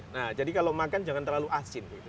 nah jadi kalau makan jangan terlalu asin gitu